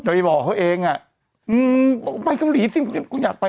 ไปบอกเขาเองอ่ะอืมบอกไปเกาหลีสิกูอยากไป